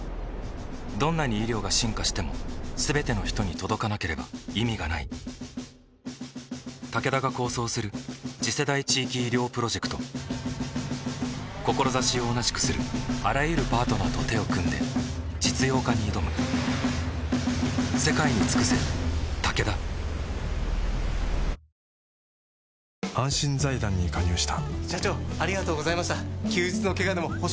どんなに医療が進化しても全ての人に届かなければ意味がないタケダが構想する次世代地域医療プロジェクト志を同じくするあらゆるパートナーと手を組んで実用化に挑む長男の凌央さんの肩を今、初めて借りました。